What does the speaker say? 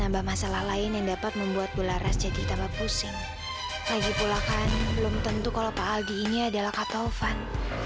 apa benar pak aldi adalah kata taufan